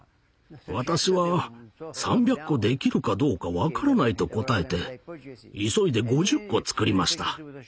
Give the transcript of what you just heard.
私は「３００個できるかどうか分からない」と答えて急いで５０個つくりました。